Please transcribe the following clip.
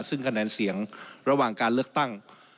ซึ่งคะแนนเสียงระหว่างการเลือกตั้ง